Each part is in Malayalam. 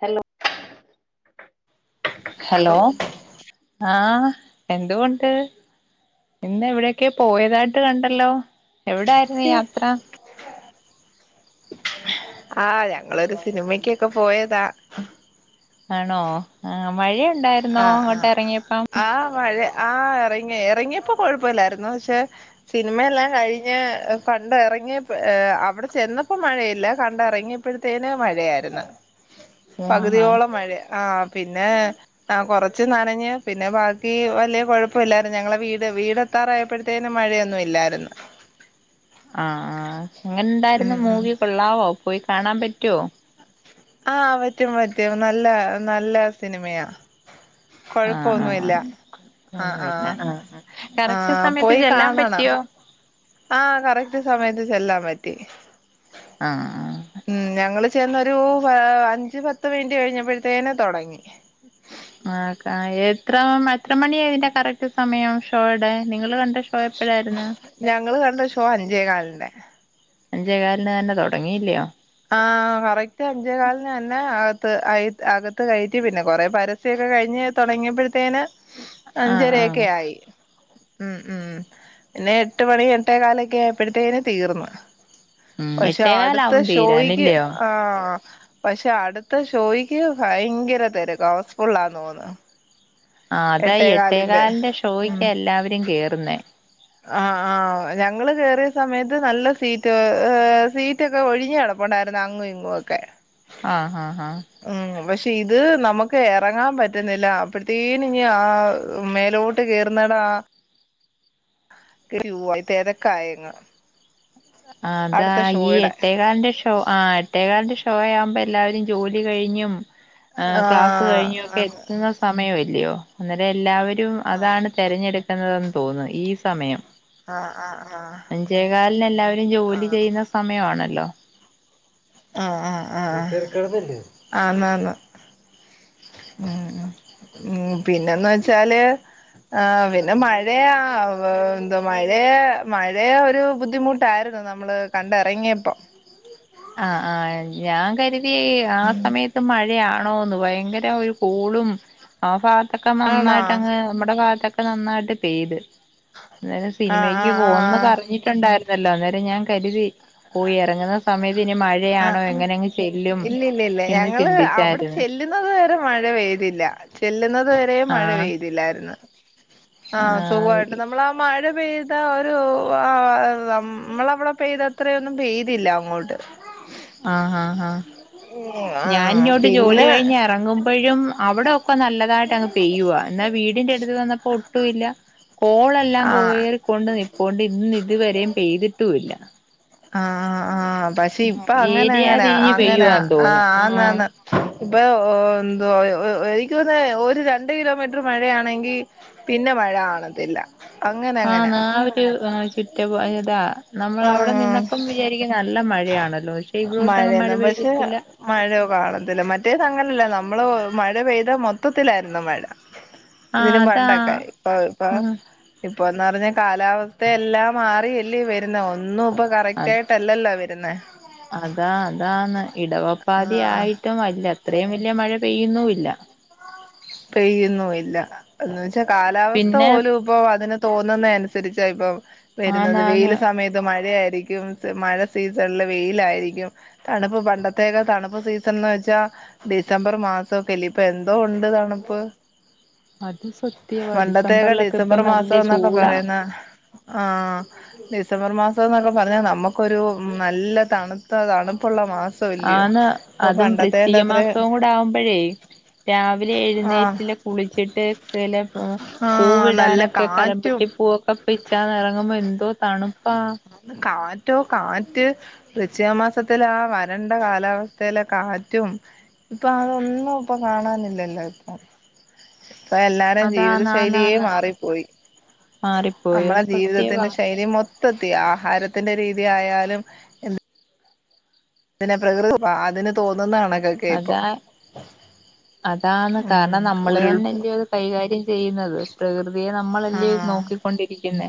ഹലോ ഹലോ ആഹ് എന്തുകൊണ്ട് ഇന്ന് എവിടെക്കെ പോയതായിട്ട് കണ്ടല്ലോ. എവിടായിരുന്നു യാത്ര? ആഹ് ഞങ്ങളൊരു സിനിമക്കൊക്കെ പോയതാ ആണോ ആ മഴയ ണ്ടായിരുന്നോ ആഹ് അങ്ങോട്ട് ആഹ് എറങ്ങിയപ്പം ആഹ് മഴ ആഹ് എറങ്ങി എറങ്ങിയപ്പോ കൊഴപ്പല്ലായിരുന്നു പക്ഷെ സിനിമയെല്ലാം കഴിഞ്ഞ് കണ്ടറങ്ങിയപ്പോ ഏ അവിടെ ചെന്നപ്പോ മഴയില്ല കണ്ട എറങ്ങിയപ്പഴത്തേന് മഴയായിരുന്നു. ആഹ് പകുതിയോളം മഴ ആ പിന്നെ ആ കൊറച്ച് നനഞ്ഞ് പിന്നെ ബാക്കി വലിയ കൊഴപ്പല്ലായിരുന്നു ഞങ്ങളെ വീട് വീടെത്താറായപ്പഴേക്കും പിന്നെ മഴയില്ലായിരുന്നു ആആഹ് എങ്ങനെ ണ്ടായിരുന്നു ഉം മൂവി കൊള്ളാവോ പോയി കാണാൻ പറ്റുവോ ആഹ് പറ്റും പറ്റും നല്ല നല്ല സിനിമയാ ആ ആ കൊഴപ്പൊന്നുല്ല ആഹ് അതുപിന്നെ ആഹ് ആ കറക്റ്റ് ആഹ് സമയത്ത് പോയി ചെല്ലാൻ കാണണം പറ്റിയോ ആഹ് കറക്റ്റ് സമയത്ത് ചെല്ലാൻ പറ്റി. ആഹ് ഉം ഞങ്ങൾ ചെന്നൊരു അഞ്ചു പത്ത് മിനിറ്റ് കഴിഞ്ഞപ്പഴത്തേന് തൊടങ്ങി ആക്ക എത്ര എത്ര മണി അതിന്റെ കറക്റ്റ് സമയം ഷോടെ നിങ്ങള് കണ്ട ഷോ എപ്പോഴായിരുന്നു ഞങ്ങള് കണ്ട ഷോ അഞ്ചേ കാലിന് അഞ്ചേ കാൽ ന് തന്നെ തുടങ്ങിയി ഇല്ലയോ ആ കറക്റ്റ് അഞ്ചേ കാലിന് തന്നെ അകത്ത് അകത്ത് കയറ്റി പിന്നെ കൊറെ പരസ്യം ഒക്കെ കഴിഞ്ഞ് തൊടങ്ങിയപ്പഴ്ത്തേന് ആഹ് ആഹ് അഞ്ചരയൊക്കെയായി ഉം ഉം പിന്നെ എട്ട് മണി എട്ടേ കാലൊക്കെ ആയപ്പോഴുത്തേനും തീർന്നു ഉം എട്ടേ കാലാവും തീ പോയീക്ക് ആ ആ പക്ഷെ അടുത്ത ഷോയ്ക്ക് ഭയങ്കര തിരക്ക ഹൗസ്ഫുള്ളാ തോന്ന് ആ അതായി എട്ടേകാലിൻ്റെ ഷോയ്ക്ക് എല്ലാവരും കേറുന്നെ ആ ആ ആഹ് ഞങ്ങള് കേറിയ സമയതു നല്ല സീറ്റ് സീറ്റൊക്കെ ഒഴിഞ്ഞു കിടപ്പുണ്ടായിരുന്നു അങ്ങും ഇങ്ങും ഒക്കെ ആ ഹാ ഹാ ഉം പക്ഷെ ഇത് നമുക്ക് എറങ്ങാൻ പറ്റുന്നില്ല അപ്പത്തേനും ഞ് ആ മേലോട്ട് കേറുന്നിടം ആ ക്യുയായ് തെരക്കായങ്ങ് അതാ ഈ എട്ടേക്കാൽന്റെ ഷോ ആ എട്ടേക്കാൽന്റെ ഷോയാ പ്പ എല്ലാരും ജോലി കഴിഞ്ഞും ആ ക്ലാസ് ആഹ് കഴിഞ്ഞ് ഒക്കെ ആഹ് എത്തുന്ന സമയമേ. ല്ല്യായോ അന്നേരം എല്ലാവരും. വരും അതാണ് തിരഞ്ഞെടുക്കുന്നതെന്ന്. തോന്നു ഈ സമയം. ആഹ്ആഹ്ആഹ് അഞ്ചേകാലിന് എല്ലാവരും ജോലി ചെയ്യുന്ന സമയ ആണല്ലോ. ആ ആ ആ ആന്നാന്ന് ഉം ഉം പിന്നെന്ന് വെച്ചാല് ആ പിന്നെ മഴയാ എന്തോ മഴയാ മഴയാ ഒരു ബുദ്ധിമുട്ടായിരുന്നു നമ്മള് കണ്ടിറങ്ങിയപ്പോ ആ ആ ഞാൻ കരി തി ആ സമയത്ത് മഴയാ ണ്ടാവുന്ന് ഭയങ്കര ഒരു കൂളും ആ ഫാ ഇവടക്കേ ആണോ നന്നായിട്ടങ്ങ് നമ്മുടെ ഭാഗത്തെ ക്കെ നന്നായിട്ട് പെയ്ത്. അന്നേരം ആഹ് സിനിമക്ക് ആഹ് പോകുന്ന് ആഹ് പറഞ്ഞിട്ടുണ്ടായിരു [unintelligible] അന്നേരം ഞാൻ കരുതി. തിന് ആഹ് മഴയാണോ ആഹ് എങ്ങനെങ്ങ് ചെല്ലും ഇല്ല ഇല്ല ഇല്ല എന്ന് ഞങ്ങള് അവിടെ ചിന്തിച്ചാരുന്നു. ചെല്ലുന്നത് വരെ മഴ പെയ്തില്ല ചെല്ലുന്നത്. അതുവരെയ് മഴ ആഹ് പെയ്തില്ലായിരുന്നു. ആ സുഖമായിട്ട് ആഹ് നമ്മളാ ആ മഴ പെയ് ത ഒരു ആനമ്മളവിടെ പെയ്ത ത്രേയൊന്നു പെയ്തില്ല അങ്ങോട്ട്. ആഹ് ആഹ് ആഹ് ഞാൻ ആഹ് ഇങ്ങോട്ട് ജോലി പിന്നെ കഴിഞ്ഞ് ഇറങ്ങുമ്പോഴും അവിടൊക്കെ നല്ലതായിട്ട് അങ്ങ് പെയ്യുവാ എന്നാ വീടിന്റെ അടുത്ത് വന്നപ്പോ ഒട്ടുംഇല്ല കോളെല്ലാം ആഹ് കോയറിക്കൊണ്ട് നിപ്പോണ്ട് ഇന്ന് ഇതുവരെയും പെയ്തിട്ടുമില്ല ആഹ് ആ ആഹ് പക്ഷേ ഇപ്പം അങ്ങനെ ഏരിയ അങ്ങനെ തിരിഞ്ഞ് അങ്ങനാ പെയ്യുവാന്ന് ആ തോന്നുന്നു ആഹ് അന്നന്നു ഇപ്പോ ഓഹ് ഓ എനിക്ക് തോന്നുന്നു ഒരു രണ്ട് കിലോമീറ്റർ മഴയാണെങ്കിൽ പിന്നെ മഴ കാണത്തില്ല അങ്ങനെ ആ [unintelligible] [unintelligible] അങ്ങനാ നമ്മൾ അവിടെ നിന്നപ്പം വിചാരിക്കുന്നതല്ല മഴയന്നും പക്ഷെ പെയ്തിട്ടില്ല മഴയോ കാണത്തില്ല മറ്റേത് അങ്ങനല്ല ന നമ്മള് മഴ പെയ്താൽ മൊത്തത്തിലായിരുന്നു മഴ ആഹ് ഇതിനും അതാ പണ്ടൊക്കെ ഇപ്പൊ ഇപ്പൊ ആഹ് ഇപ്പൊന്ന് പറഞ്ഞാൽ കാലാവസ്ഥ ഇപ്പം എല്ലാം മാറിയാലിയോ വരുന്നെ ഒന്നും ഇപ്പൊ കറക്റ്റ് അത് ആയിട്ടല്ലോ വെറു അതാ അതാണ് ഇടവപ്പാതി ആഹ് ആയിട്ടും അല്ല ഇത്രയും വലിയ മഴ പെയ്യുന്നുമില്ല പെയ്യുന്നുമില്ല എന്ന് വെ കാലാവസ്ഥ പിന്നെ പോലും ഇപ്പോ അതിന്. തോന്നുന്ന അനുസരിച്ച ഇപ്പം. വരുന്നത് ആന്നാന്ന് വെയില് സമയത്ത് മഴയായിരുന്നു. ശരിക്കും മഴ സീസണില് വെയിലായിരിക്കും, തണുപ്പ് പണ്ടത്തക്കെ തണുപ്പ് സീസൺന്ന് വെച്ചാൽ ഡിസംബർ മാസക്കല്ലേ ഇപ്പോയെന്ത്. എന്തോ ഉണ്ട് തണുപ്പ്. അത് സത്യവാ പണ്ടത്തേക്കെ ഡിസംബറിലൊക്കെ ഇപ്പ ഡിസംബർ നല്ല മാസം എന്നൊക്കെ ചൂടാ പറയുന്ന ആഹ് ഡിസംബർ മാസം. ഇപ്പോ എന്നൊക്കെ പറഞ്ഞാൽ നമുക്കൊരു നല്ല തണുത്ത തണുപ്പുള്ള. മാസം ഇല്ലയോ ആന്ന് ഇപ്പൊ അതും പണ്ടത്തേന്റെ വൃശ്ചിക അത്രേ മാസവും കൂടെ ആവുമ്പോഴേ രാവി വിലെ ആഹ് എഴുന്നേറ്റിലെ കുളിച്ചിട്ട് ചിലപ്പോ ആഹ് നല്ല പൂവിടാനൊക്കെ കാറ്റും കലമ്പട്ടി പൂവൊക്കെ പിച്ചാന്നറങ്ങുമ്പോ എന്തോ തണുപ്പാ. വൃശ്ചിക മാസത്തിലെ ആഹ് വരണ്ട കാലാവസ്ഥയിലെ കാറ്റും ഇപ്പൊ അതൊന്നും ഇപ്പൊ കാണാനില്ല. എല്ലാം ഇപ്പം ഇപ്പോ എല്ലാരും ജീവിതശൈലിയെ അതാന്നാന്നാന്ന് മാറിപ്പോയി മാറിപ്പോയോ നമ്മളെ സത്യവാ ജീവിതത്തിന്റെ ശൈലി മൊ സത്യം ആഹാരത്തിന്റെ രീതിയാലും എന്ത്. ഇതിനെ പ്രകൃതമാ അതിന് തോ ന്നുന്നു ആണ് ഒക്കെ ഇപ്പോ. അതാ അതാന്ന് കാരണം നമ്മൾ തന്നെ അല്ലയോ കൈകാര്യം. ചെയ്യുന്നത് പ്രകൃതി. തേ നമ്മളല്ലേ ഇത് ആഹ് നോക്കിക്കൊണ്ടിരിക്കുന്ന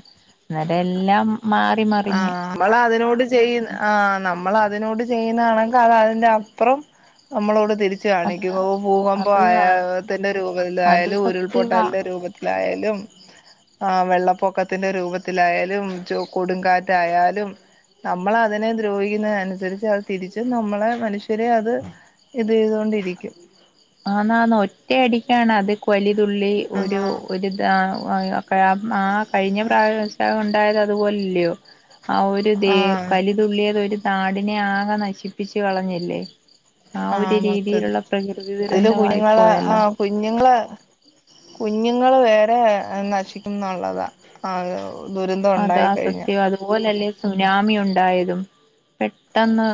ന്നരം എല്ലാം മാറി ആ മറിഞ്ഞ് മ്മൾ അതിനോട് ചെയ്യ് അ നമ്മൾ അതിനോട് ചെയ്യുന്നതാണെങ്കിൽ അത് അതിന്റെഅപ്പറം നമ്മളോട് തിരിച്ച് അതാ കാണിക്കും ഭൂകമ്പം അത് ആയ അത് ആത്തിന്റെ അത് രൂപത്തിലായാലും, സത്യവാ ഉരുൾപൊട്ടലിന്റെ രൂപത്തിലായാലും ആ വെള്ളപ്പൊക്കത്തിന്റെ രൂപത്തിലായാലും ച്ചു കൊടുങ്കാറ്റായാലും നമ്മള അതിനെ ദ്രോഹിക്കുന്നനുസരിച്ച് അത് തിരിച്ച് നമ്മളെ മനുഷ്യരെ അത് ഇത് ചെയ്തുകൊണ്ടിരിക്കും ആന്ന് ആന്ന് ഒറ്റയടി ക്കെയാണ് അത് കൊലി തുള്ളി ഒരു ആഹ് ഒരുതാ വായ ആ കഴിഞ്ഞ പ്രാവസണ്ട് ഉണ്ടായത് അത്പോലെല്യോ ആ ഒരു ദേ ആഹ് കലിതുള്ളിയത് ഒരു നാട് ന്നെ ആകെ നശിപ്പിച്ചു കളഞ്ഞില്ലേ ആ ഒരു ആഹ് മൊത്തത്തി രീതിയിലുള്ള പ്രകൃ അതില് കുഞ്ഞുങ്ങളെ ആഹ് കുഞ്ഞുങ്ങള് കുഞ്ഞുങ്ങൾ വേറെ നശിക്കും എന്നുള്ളതാണ് അതാ സത്യാ അത്പോലെ അല്ലേ സുനാമി ഉണ്ടായതും പെട്ടെന്ന്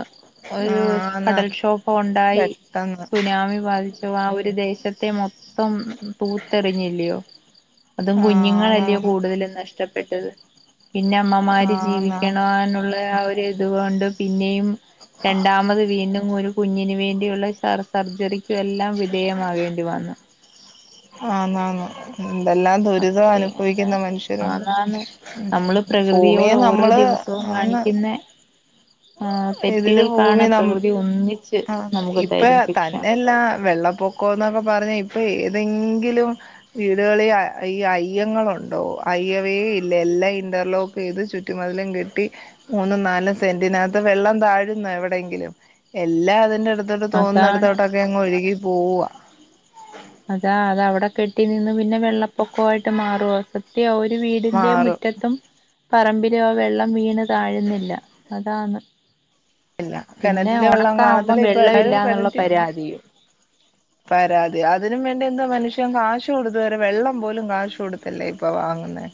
ഒരു ആഹ് ആന്നാന്ന് കടൽക്ഷോഭം ഉണ്ടായി പെട്ടെന്ന് സുനാമി ബാധിച്ചു ആ ഒരു ദേശത്തെ മൊ മൊത്തം തൂത്തെറിഞ്ഞില്ലയോ അതും ആഹ് കുഞ്ഞുങ്ങളല്ലയോ ആന്നാന്ന് കൂടുതലും നഷ്ടപ്പെ പെട്ടത് പിന്നെ അമ്മമാര് ആന്നാന്ന് ജീവിക്കണാനുള്ള ആ ഒരു അതുകൊണ്ട് പിന്നെയും രണ്ടാമത് വീണ്ടും ഒരു കുഞ്ഞിന് വേണ്ടിയുള്ള സർ സർജറി എല്ലാം വിധേയമാകേണ്ടി വന്നു ആന്ന് ആന്ന് എന്തെല്ലാം ദുരിതം അത്രയും അതാ അനുഭവിക്കുന്ന മനുഷ്യരുണ്ട് ആന്നാന്ന് ഉം നമ്മള് പ്രകൃതിയോട് ഭൂമിയെ ഓരോ നമ്മള് ആന്ന് ആഹ് ഇതില് തെറ്റുകൾക്കാണ് ഭൂമി നം പ്രകൃതി ഒന്നി ആന്ന് ഇപ്പ തന്നെയല്ലാ വെള്ളപ്പൊക്കൊന്നൊക്കെ പറഞ്ഞ ഇപ്പൊ ഏ എതെങ്കിലും വീടുകളിൽ ഈ അയ്യങ്ങളുണ്ടോ അയ്യവേ ഇല്ല എല്ലാം ഇന്റർലോക്ക് ചെയ്ത് ചുറ്റുമതിലും കെട്ടി മൂന്നും നാലും സെന്റിനകത്ത് വെള്ളം താഴുന്ന എവിടെയെങ്കിലും എല്ലാ അതിന്റെടു ത്തോട്ട് അതാണ് തോന്നടുത്തോട്ടൊക്കെ അങ്ങ് ഒഴുകി പോകുവ അതാ അതവ്ടെ കെട്ടി നിന്ന് പിന്നെ വെള്ളപ്പൊക്കൊവായിട്ട് മാറും ഒരു വീടിന്റെ മാറും മുറ്റത്തും പറമ്പിലും ആ വെള്ളം വീണ് താഴുന്നില്ല അതാണ് ഇല്ല പിന്നെ കിണറ്റിലെ വെള്ളം ഉണക്ക് ആവുമ്പം കാണത്തില്ല ഇപ്പൊ വെള്ളവില്ല എല്ലാരും ന്നുള്ള കിണറ്റി പരാതിയും പരാതി അതിനും വേണ്ടി എന്താ മനുഷ്യൻ കാശ് കൊടുത്ത് വരെ വെള്ളം പോലും കാശ് കൊടുത്തല്ലേ ഇപ്പൊ വാങ്ങുന്നെ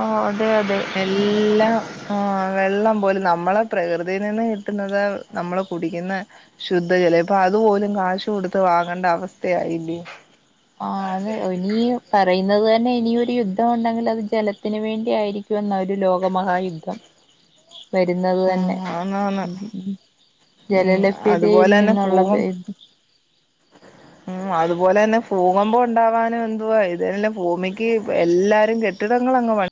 ആഹ് അതെ അതെ എല്ലാം ആ വെള്ളം പോലും നമ്മളെ പ്രകൃതീനിന്ന് കിട്ടുന്നത് നമ്മള് കുടിക്കുന്ന ശുദ്ധ ജലം ഇപ്പൊ അതുപോലും കാശ് കൊടുത്ത് വാങ്ങണ്ട അവസ്ഥയായില്ലേ ആ അത് ഒനീ പറയുന്നത് ത ന്നെ ഇനിയൊരു യുദ്ധവൊണ്ടെങ്കിലത് ജലത്തിന് വേണ്ടി ആയിരിക്കും എന്ന ഒരു ലോകമഹായുദ്ധം വരുന്നത് തന്നെ ഉം ആന്നാന്ന് ഉം ജലലഭ്യതയിൽ അതുപോലെ തന്നെ നിന്നുള്ള വെ ഭൂകം പോലെന്നെ ഫൂകമ്പം ഒണ്ടാവാന് എന്തുവാ ഇത് എല്ലാം ഭൂമിക്ക് എല്ലാരും കെട്ടിടങ്ങളങ്ങ് പ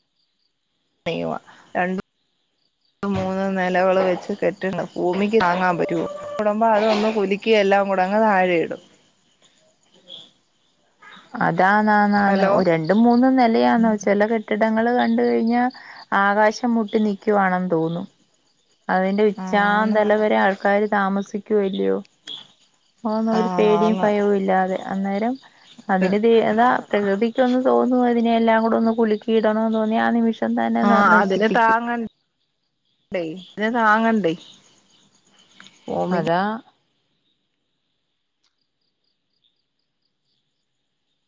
ണിയുവ രണ്ടും മൂന്നും നെലകള് വെച്ച് കെട്ടിടം ഭൂമിക്ക് താങ്ങാൻ പറ്റുവോ [unintelligible] അതൊന്ന് കുലുക്കി എല്ലാം കൂടെ അങ്ങ് താഴെയിടും. അത് താന്ന് ആന്ന് ആന്ന് ഒരണ്ടും മൂന്നും നെലയാന്നോ ചില കെട്ടിട ടങ്ങള് കണ്ട് കഴിഞ്ഞ ആകാശം മുട്ടി നിക്കുവാണെന്ന് തോന്നും. അതിന്റെ ആന്ന് ഉച്ചാന്തല വരെ ആൾക്കാര് താമസി ക്കുവേ ല്ലിയോ അതൊന്നും ഒരു പേടിയും ആന്ന് ഫയവും ഇല്ലാതെ അന്നേരം ആന്ന് അതിന് ദേ ആതാ പ്രകൃതിക്ക് ഒന്ന് തോന്നുവ അതിനെയെല്ലാം കൂടെ ഒന്ന് കുലുക്കിയിടണോന്ന് തോന്നിയ ആ നിമിഷ് ആഹ് അതിന് താങ്ങ ണ്ടേ തിന് താങ്ങണ്ടേ ഭൂമിക്ക് അതാ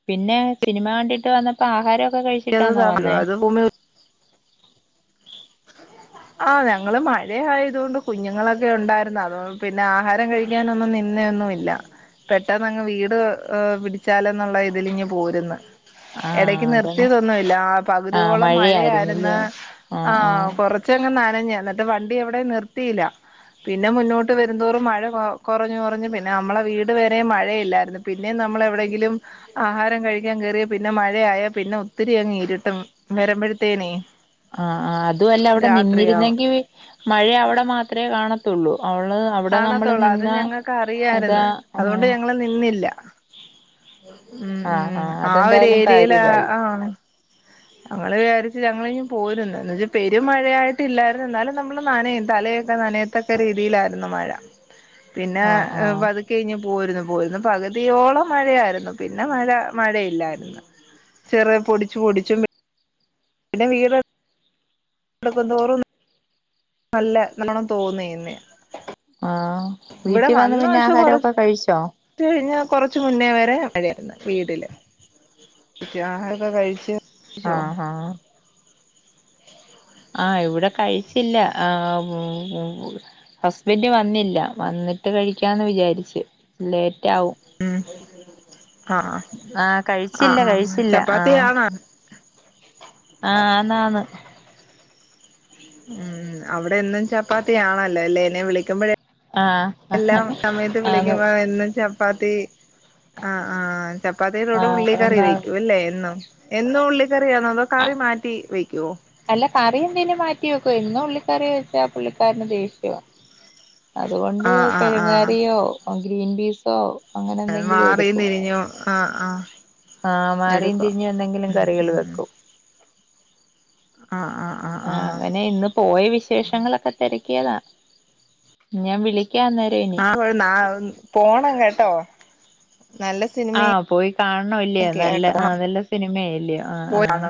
പിന്നെ സിനിമ കണ്ടിട്ട് വന്നപ്പോ ആഹാരൊ [unintelligible] അത് ഭൂമി ആ ഞങ്ങള് മഴയായതു കൊണ്ട് കുഞ്ഞുങ്ങളൊക്കെ ഒണ്ടായിരുന്നു. അതോ പിന്നെ ആഹാരം കഴിക്കാനൊന്നും നിന്നെ ഒന്നും ഇല്ല പെട്ടെന്ന് അങ്ങ് വീട് ഏ പിടിച്ചാലോ എന്നുള്ള ഇതില് ഇങ്ങ് പോര്ന്ന്. എടക്ക് ആഹ് അതെന്നെ. നിർത്തിയതൊന്നും ഇല്ല ആ ആഹ് പകുതിയോളം മഴയായിരുന്ന് മഴയായിരുന്നല്ലയോ. ആ ആഹ് ആഹ്. കൊർ നനഞ്ഞ് എന്നിട്ട് വണ്ടി എവിടെം നിർത്തീല പിന്നെ മുന്നോട്ട് വരുംന്തോറും മഴ കൊ കൊറഞ്ഞു കൊറഞ്ഞു പിന്നെ നമ്മളെ വീട് വരേം മഴയില്ലായിരുന്നു പിന്നേം നമ്മൾ എവിടെങ്കിലും ആഹാരം കഴിക്കാൻ കേറിയ പിന്നെ മഴയായ പിന്നെ ഒത്തിരി അങ് ഇരുട്ടും വരുമ്പോഴത്തേനേ ആഹ് ആഹ് അ തും അല്ല അവിടെ നിന്നിരുന്നെങ്കി മഴ അവിടെ മാത്രമേ കാണ ത്തുള്ളൂ കാണത്തൊള്ളൂ അത് ഞങ്ങക്ക് അതാ അറിയാര്‌ന്ന് ആഹ് അതുകൊണ്ട് ഞങ്ങള് നിന്നില്ല. [inaudible] ഉം ആഹ് ഉം ആഹ് ആ ഒരു അതെന്തായാലും ഏരിയലാ കാര്യവായി ആണ് ഞങ്ങള് വിചാരിച്ച് ഞങ്ങള് ഇങ്ങ് പോരുംന്ന് എന്ന് വെച്ച്പെരും മഴയായിട്ട് ഇല്ലായിര്ന്നു എന്നാലും നമ്മള് നനയും തലയൊക്കെ നനയത്തക്ക രീതിയിലായിരുന്നു മഴ. പിന്നെ ആഹ് എ് ആഹ് പതുക്കെ ഇങ്ങ് പോര്ന്ന് പോരുന്ന പകുതിയോളം മഴയായിരുന്നു പിന്നെ മഴ മഴയില്ലായിരുന്നു ചെറ് പൊടിച്ചു ഒടിച്ചും വ പിന്നെ വീട [unintelligible] ന്നോറും നല്ല നല്ലോണം തോന്നീന്നി ആഹ് വീട്ടിവന്ന് പിന്നെ ആഹാരൊക്കെ കഴിച്ചോ? ച്ച് കഴിഞ്ഞ് കൊറച്ച് മുന്നേ വരെ മഴയായിരുന്നു വീടില് ത്തിആഹാരൊക്കെ കഴിച്ച് ച്ചോ ആഹ് ആഹ് ആ ഇവിടെ കഴിച്ചില്ല ആ ഹസ്ബൻഡ് വന്നില്ല വന്നിട്ട് കഴിക്കാന്ന് വിചാരിച്ച്. ലേറ്റാവും ആഹ് ആഹ കഴിച്ചില്ല ആഹ് ആഹ് കഴിച്ചില്ല ആഹ ചപ്പാത്തിയാണോ ആഹ് ആന്നാന്ന് ഉം അവിടെന്നും ചപ്പാത്തിയാണല്ലെ ല്ലേ എന്നെ വിളിക്കുമ്പോഴ് ആഹ് എല്ലാം സമയത്ത് ആന്ന് വിളിക്കുമ്പോ എന്നും ചപ് പ്പാത്തി ആ ആഹ് ചപ്പാത്തിയിലൂടു ആഹ് ഉള്ളി കറി ഒന്നാ വെക്കൂല്ലേ എന്നും എന്നുള്ളി ചെറിയാന്നോതോ കറി മാറ്റി വെക്കുവോ? അല്ല കറി എന്തേനും മാറ്റി വെക്കോ ഇന്ന് ള്ളിക്കറിയ വെച്ചാ പുള്ളിക്കാരന് ദേഷ്യവാ അതുകൊണ്ട് ആഹ് കിഴങ്ങാറിയോ ഔ ഗ്രീൻ ബീ സോ മാറിം തിരിഞ്ഞു ആ ആഹ് ആഹ് മാറിം എടുക്കും തിരരിഞ്ഞോന്തെങ്കിലും ഉം കറികൾ ഉം ഉം വെക്കൂ ആഹ് ആഹ് ആ ആഹ് അങ്ങനെ ഇന്ന് പോയ വിശേഷങ്ങളൊക്കെ തെര ക്യെന്നൊ ഞാൻ വിളി ആ ഒ ഉ ന്നാ ഉ പോണം കേട്ടോ നല്ല ആഹ് സിനിമയൊക്കെയാ പോയി കാൺണോല്ലേ നല്ല കേട്ടോ നല്ല സിനിമയായി ല്യ ആഹ് ആഹ്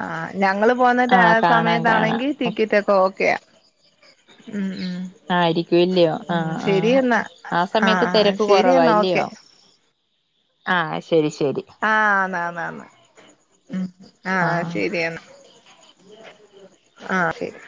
അ ഹാ ഞങ്ങള് പോഉന്നേയ്ന്റെ ആ ആഹ് കാണാം കാണാം സമയത്താണെങ്കി ടിക്കറ്റ് ഒക്കെ ഓക്കെയാ ഉം ഉം ആയിരിക്കും ഇല്ലയോ ഉം ആഹ ആഹ ശരി എന്നാ ആ ആഹ് സമയത്ത് ആഹ് തിരക്ക് ശരി കുറവാ എന്നാ ഓക്കെ ഇല്ലയോ ആഹ ആഹ് ആന്നാന്നാ ന്ന് ഉം ആഹ ആഹ് ശരിയെന്ന ആഹ ശരി